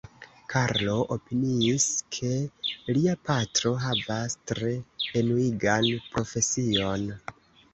Karlo opiniis, ke lia patro havas tre enuigan profesion.